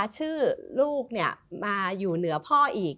ชื่อลูกมาอยู่เหนือพ่ออีก